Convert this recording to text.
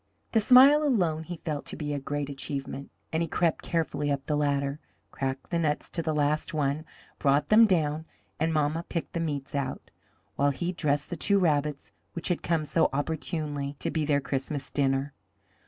The smile alone he felt to be a great achievement, and he crept carefully up the ladder, cracked the nuts to the last one, brought them down, and mamma picked the meats out, while he dressed the two rabbits which had come so opportunely to be their Christmas dinner.